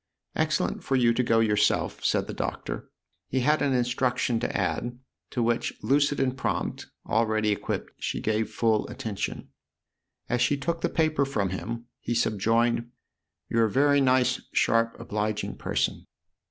" Excellent for you to go yourself/' said the Doctor. He had an instruction to add, to which, lucid and prompt, already equipped, she gave full attention. As she took the paper from him he subjoined :" You're a very nice, sharp, obliging person."